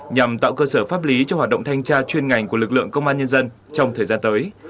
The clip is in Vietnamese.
nhằm tạo cơ sở pháp lý cho hoạt động thanh tra chuyên ngành của lực lượng công an nhân dân trong thời gian tới